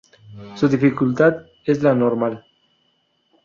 Su dificultad es la "Normal".